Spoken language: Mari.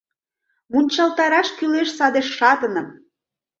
Мунчалтараш кӱлеш саде шатыным.